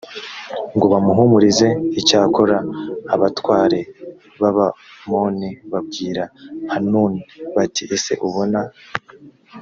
ngo bamuhumurize icyakora abatware b abamoni babwira hanuni bati ese ubona